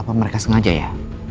apa mereka sengaja ya